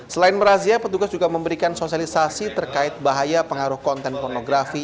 selain merazia petugas juga memberikan sosialisasi terkait bahaya pengaruh konten pornografi